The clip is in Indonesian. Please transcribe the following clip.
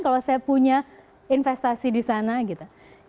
karena saya punya investasi di sana gitu